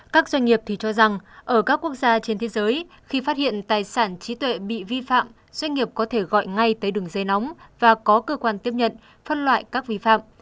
các doanh nghiệp thì cho rằng ở các quốc gia trên thế giới khi phát hiện tài sản trí tuệ bị vi phạm doanh nghiệp có thể gọi ngay tới đường dây nóng và có cơ quan tiếp nhận phân loại các vi phạm